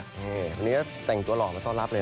วันนี้เจอกับเขาแล้วเนี่ย